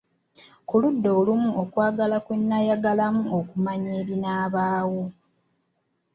Ku ludda olumu okwagala kwe nnayagalamu okumanya ebinaabaawo.